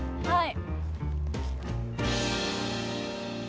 はい。